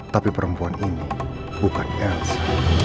tapi perempuan ini bukan els